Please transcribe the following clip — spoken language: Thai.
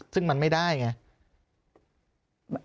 ซึ่งมันไม่ได้ไง